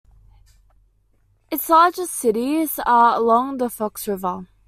Its largest cities are along the Fox River.